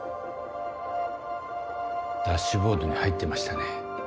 ダッシュボードに入ってましたね。